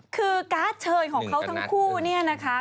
คือกาศเชิญของเขาทั้งคู่